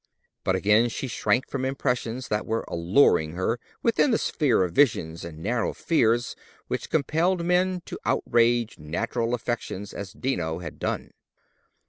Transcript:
But again she shrank from impressions that were alluring her within the sphere of visions and narrow fears which compelled men to outrage natural affections as Dino had done.